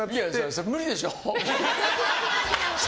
それ、無理でしょ。